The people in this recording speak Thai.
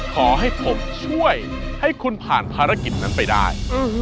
ขอให้ผมช่วยให้คุณผ่านภารกิจนั้นไปได้